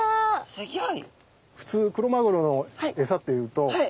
すギョい。